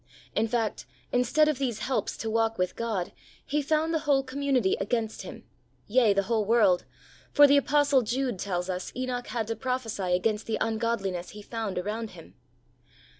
In fact, instead of these helps to walk with God, he found the whole community against him — yea, the whole world, for the Apostle Jude tells us Enoch had to prophesy against the ungodliness he found around him.